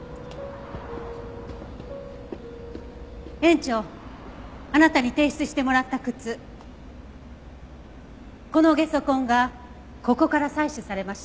園長あなたに提出してもらった靴このゲソ痕がここから採取されました。